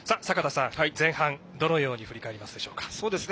前半、どのように振り返りますでしょうか？